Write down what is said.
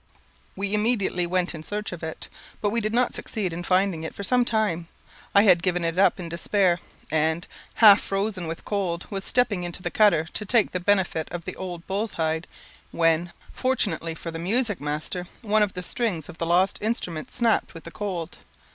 We immediately went in search of it; but we did not succeed in finding it for some time. I had given it up in despair, and, half frozen with cold, was stepping into the cutter to take the benefit of the old bull's hide, when, fortunately for the music master one of the strings of the lost instrument snapped with the cold.